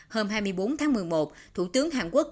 hôm hai mươi bốn tháng một mươi một thủ tướng hàn quốc